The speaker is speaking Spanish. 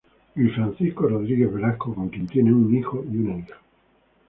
Luis Francisco Rodríguez Velasco, con quien tiene un hijo y una hija.